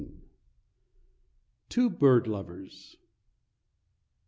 TWO BIRD LOVERS.